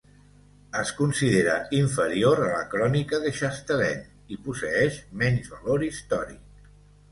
Es considera inferior a la crònica de Chastellain i posseeix menys valor històric.